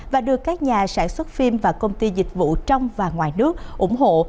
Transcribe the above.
và được các nhà sản xuất phim và công ty dịch vụ trong và ngoài nước ủng hộ